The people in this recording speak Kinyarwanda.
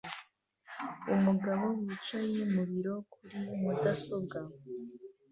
Umugabo wicaye mu biro kuri mudasobwa